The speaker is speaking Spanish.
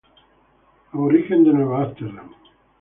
Aborigen de Nueva York.